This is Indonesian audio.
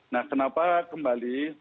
nah kenapa kembali